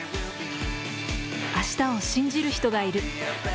明日を信じる人がいる。